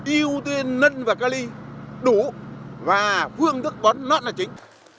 ưu tiên nâng và ca ly đủ và phương thức bón nó là chính